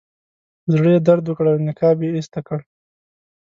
زړه یې درد وکړ او نقاب یې ایسته کړ.